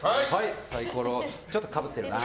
サイコロちょっとかぶってるな。